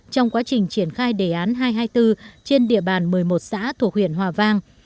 trong quá trình triển khai đề án hai trăm hai mươi bốn trên địa bàn một mươi một xã thuộc huyện hòa vang